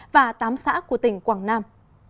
và tám xã của tỉnh quảng nam